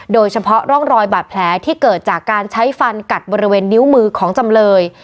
โดยเฉพาะร่องรอยบาดแผลที่เกิดจากการใช้ฟันกัดบริเวณนิ้วมือของจำเลย